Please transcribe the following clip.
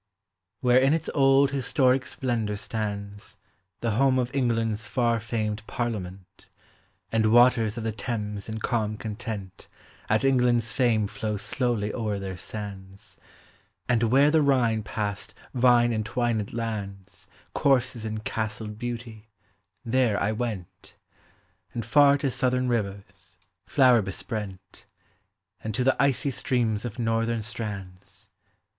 Where in its old historic splendor stands The home of England's far famed Parliament, And waters of the Thames in calm content At England's fame flow slowly o'er their sands; And where the Rhine past vine entwined lands Courses in castled beauty, there I went; And far to southern rivers, (lower besprent; And to the icy streams of northern strands.